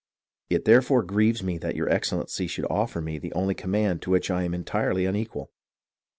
It therefore grieves me that your Excellency should offer me the only command to which I am entirely unequal.